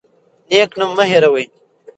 نیک نوم مه هیروئ.